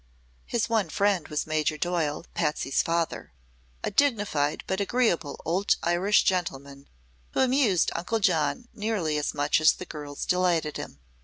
His one friend was Major Doyle, Patsy's father, a dignified but agreeable old Irish gentleman who amused Uncle John nearly as much as the girls delighted him.